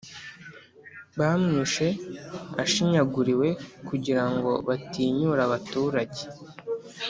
Bamwishe ashinyaguriwe kugira ngo batinyure abaturage